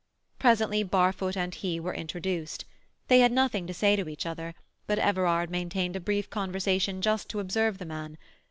Presently Barfoot and he were introduced. They had nothing to say to each other, but Everard maintained a brief conversation just to observe the man.